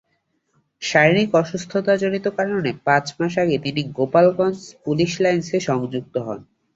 শারীরিক অসুস্থতাজনিত কারণে পাঁচ মাস আগে তিনি গোপালগঞ্জ পুলিশ লাইনসে সংযুক্ত হন।